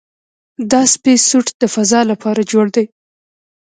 دا سپېس سوټ د فضاء لپاره جوړ دی.